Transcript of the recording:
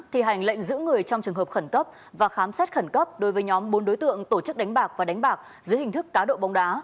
thi hành lệnh giữ người trong trường hợp khẩn cấp và khám xét khẩn cấp đối với nhóm bốn đối tượng tổ chức đánh bạc và đánh bạc dưới hình thức cá độ bóng đá